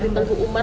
di telugu umar